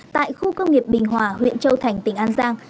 tại khu công nghiệp bình hòa huyện châu thành tỉnh an giang